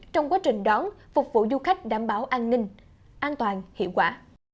trong quá trình đón phục vụ du khách đảm bảo an ninh an toàn hiệu quả